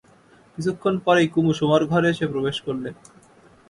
কিছুক্ষণ পরেই কুমু শোবার ঘরে এসে প্রবেশ করলে।